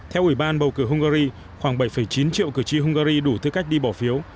theo ủy ban bầu cử hungary khoảng bảy chín triệu cử tri hungary đủ tư cách đi bỏ phiếu